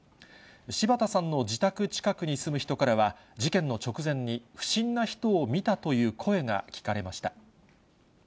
柴田さんの自宅近くに住む人からは、事件の直前に、不審な人を見たという声が聞かれました。